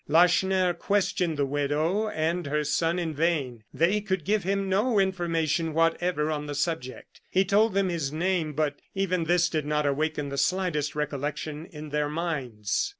Lacheneur questioned the widow and her son in vain; they could give him no information whatever on the subject. He told them his name, but even this did not awaken the slightest recollection in their minds.